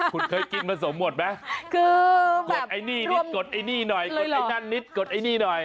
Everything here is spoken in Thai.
คุณเคยกินผสมหมดไหมกดนี่นิดกดนั่นนิดกดนี่หน่อย